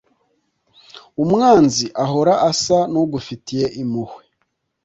Umwanzi ahora asa n’ugufitiye impuhwe,